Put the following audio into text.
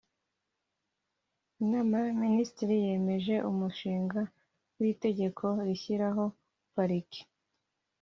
inama y abaminisitiri yemeje umushinga w itegeko rishyiraho pariki